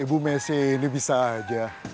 ibu messi ini bisa aja